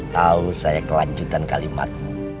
tahu saya kelanjutan kalimat